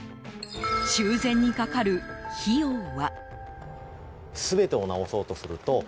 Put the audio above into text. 修繕にかかる費用は？